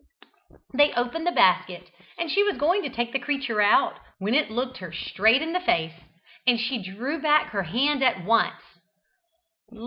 They opened the basket, and she was going to take the creature out, when it looked her straight in the face, and she drew back her hand at once.